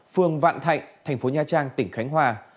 phường vạn thạnh tp nha trang tỉnh khánh hòa